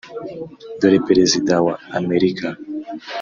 dore perezida wa amerika